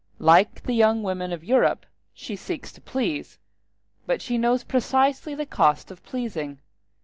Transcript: Like the young women of Europe, she seeks to please, but she knows precisely the cost of pleasing.